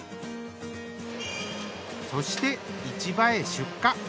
そして市場へ出荷。